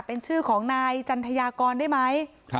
เป็นชื่อของนายจันทยากรได้ไหม